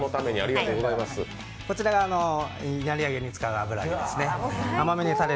こちらが、いなり上げに使う油揚げですね。